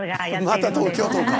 また東京都か。